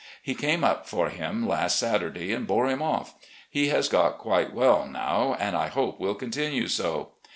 He came up for him last Saturday, and bore him off. He has got quite well now, and I hope will continue so.